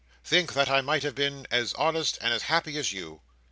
Think that I might have been as honest and as happy as you!